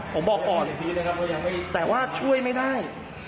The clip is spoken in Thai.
ผมบอกก่อนแต่ว่าช่วยไม่ได้